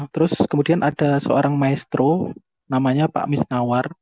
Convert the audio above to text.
terus kemudian ada seorang maestro namanya pak misnawar